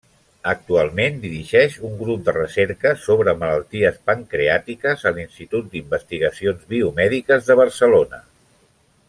Actualment dirigeix un grup de recerca sobre malalties pancreàtiques a l'Institut d'Investigacions Biomèdiques de Barcelona.